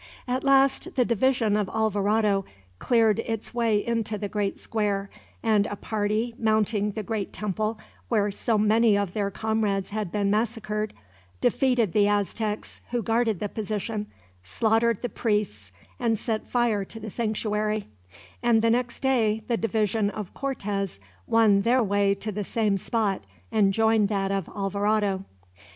At last the division of Alvarado cleared its way into the great square, and a party, mounting the great temple where so many of their comrades had been massacred, defeated the Aztecs who guarded the position, slaughtered the priests, and set fire to the sanctuary; and the next day the division of Cortez won their way to the same spot, and joined that of Alvarado.